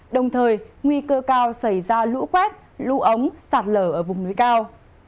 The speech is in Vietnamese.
đồng thời nguy cơ cao xảy ra lũ quét lũ ống sạt lở ở vùng núi cao